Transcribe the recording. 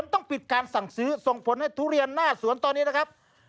ต้องปิดการสั่งซื้อส่งผลให้ทุเรียนหน้าสวนตอนนี้นะครับ